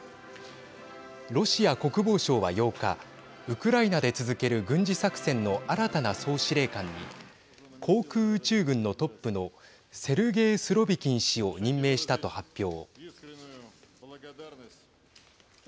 ロシア国防省は８日ウクライナで続ける軍事作戦の新たな総司令官に航空宇宙軍のトップのセルゲイ・スロビキン氏を任命したと発表。